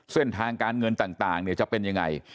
เส้นทางการเงินต่างจะเป็นยังไง